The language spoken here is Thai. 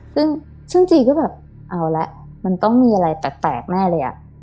ซึ่งจีก็แบบเอาละมันต้องมีอะไรแปลกแน่เลยอะ